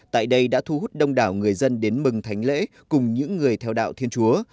tại đây đã thu hút đông đảo người dân đến mừng thánh lễ cùng những người theo đạo thiên chúa